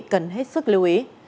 quý vị cần hết sức lưu ý